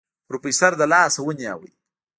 پروفيسر له لاسه ونيو.